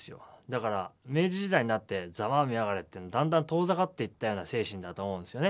だから明治時代になって「ざまぁみやがれ」ってだんだん遠ざかっていったような精神だと思うんですよね。